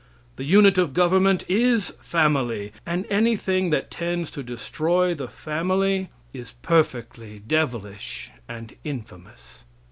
The unit of government is family, and anything that tends to destroy the family is perfectly devilish and infamous.